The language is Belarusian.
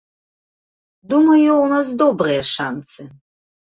Думаю, у нас добрыя шанцы.